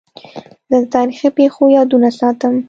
زه د تاریخي پېښو یادونه ساتم.